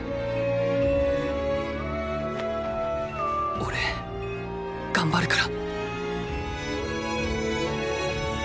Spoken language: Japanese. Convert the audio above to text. おれ頑張るから。